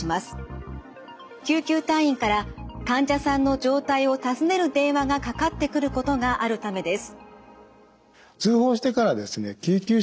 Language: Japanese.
救急隊員から患者さんの状態を尋ねる電話がかかってくることがあるためです。